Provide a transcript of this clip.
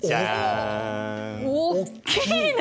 おっきいね！